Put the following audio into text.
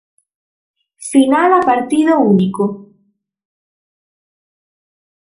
Final a partido único.